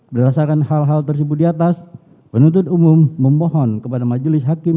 berdasarkan hal hal tersebut diatas penuntut umum memohon kepada majulis hakim